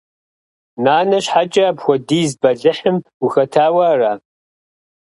Нанэ щхьэкӀэ апхуэдиз бэлыхьым ухэтауэ ара?